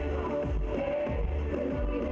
สวัสดีครับ